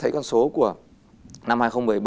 là cái con số của năm hai nghìn một mươi bảy